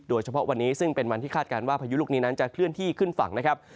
โดยเฉพาะวันนี้ซึ่งเป็นวันที่คาดการณ์ว่าพายุลูกนี้นั้นจะเคลื่อนที่ขึ้นฝั่งนะครับ